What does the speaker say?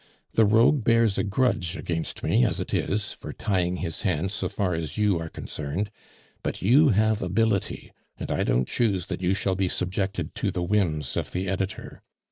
The rogue bears a grudge against me as it is, for tying his hands so far as you are concerned; but you have ability, and I don't choose that you shall be subjected to the whims of the editor.